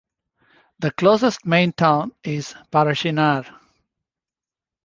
The closest main town is Parachinar.